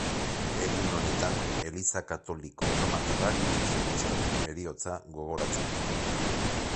Egun honetan Eliza Katoliko Erromatarrak Jesukristoren Heriotza gogoratzen da.